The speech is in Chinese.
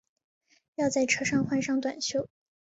要在车上换上短袖